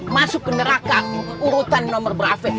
masuk ke neraka urutan nomor brafik